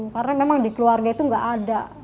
karena memang di keluarga itu tidak ada